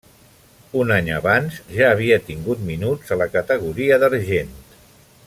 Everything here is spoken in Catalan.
Un any abans ja havia tingut minuts, a la categoria d'argent.